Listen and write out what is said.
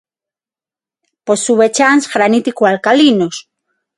Posúe chans granítico alcalinos.